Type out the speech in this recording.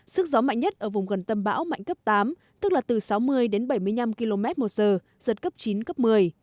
sức gió mạnh nhất ở vùng gần tâm bão mạnh cấp tám tức là từ sáu mươi đến bảy mươi năm km một giờ giật cấp chín cấp một mươi